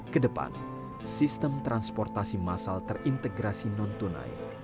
ke depan sistem transportasi massal terintegrasi non tunai